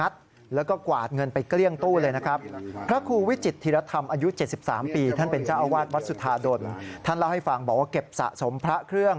ท่านเล่าให้ฟังบอกว่าเก็บสะสมพระเครื่อง